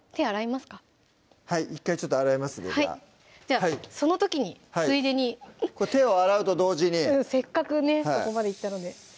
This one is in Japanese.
１回ちょっと洗いますねじゃあその時についでに手を洗うと同時にせっかくねそこまで行ったので